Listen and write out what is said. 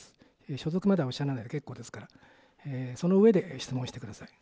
所属まではおっしゃらないで結構ですから、その上で質問してください。